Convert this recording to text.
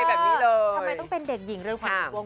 ทำไมต้องเป็นเด็กหญิงเรือนขวานขุนวง